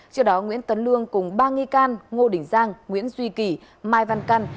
trước đó nguyễn tấn lương cùng ba nghi can ngô đình giang nguyễn duy kỳ mai văn căn